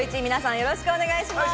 よろしくお願いします。